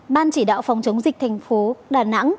ban chỉ đạo phòng chống dịch thành phố đà nẵng